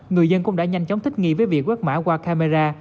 người dân cũng đã nhanh chóng thích nghi với việc quét mã qua camera